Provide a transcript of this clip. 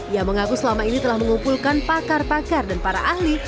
ia mengaku selama ini telah mengumpulkan pakar pakar dan para ahli